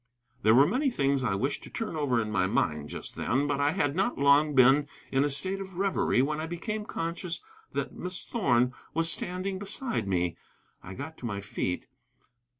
There were many things I wished to turn over in my mind just then, but I had not long been in a state of reverie when I became conscious that Miss Thorn was standing beside me. I got to my feet.